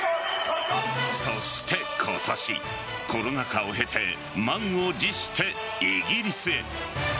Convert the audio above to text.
そして今年コロナ禍を経て満を持してイギリスへ。